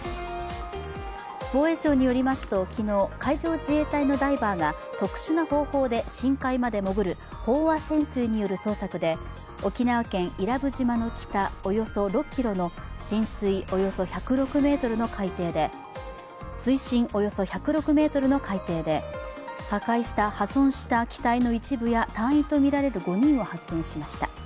防衛省によりますと、昨日海上自衛隊のダイバーが特殊な方法で深海まで潜る飽和潜水による捜索で沖縄県伊良部島の北およそ６ｋｍの水深およそ１０６ｍの海底で破損した機体の一部や隊員とみられる５人を発見しました。